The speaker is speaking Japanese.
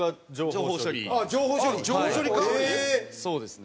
そうですね。